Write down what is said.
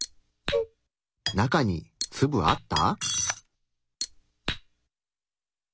中にツブあった？